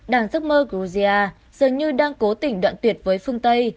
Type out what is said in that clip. đảng giấc mơ georgia dường như đang cố tỉnh đoạn tuyệt với phương tây